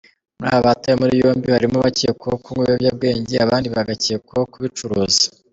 Muri aba batawe muri yombi harimo abakekwaho kunywa ibiyobyabwenge abandi bagakekwaho kubicuruza.